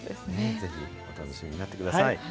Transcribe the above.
ぜひお楽しみになってください。